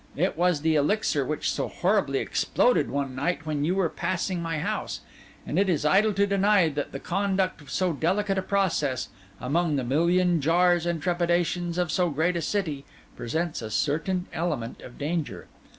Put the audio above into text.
It was the elixir which so terribly exploded one night when you were passing my house; and it is idle to deny that the conduct of so delicate a process, among the million jars and trepidations of so great a city, presents a certain element of danger.